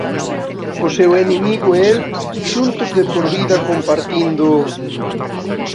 O seu inimigo e el xuntos de por vida compartindo...